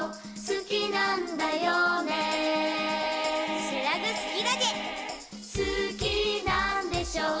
「好きなんでしょう？」